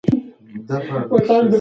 د موبايل زنګ ما راويښوي.